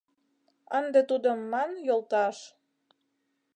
Ынде тудым ман йолташ